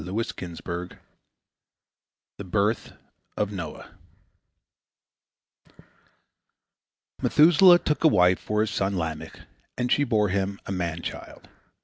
IV NOAH THE BIRTH OF NOAH Methuselah took a wife for his son Lamech, and she bore him a man child.